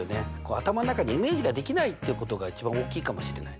頭の中でイメージができないってことが一番大きいかもしれない。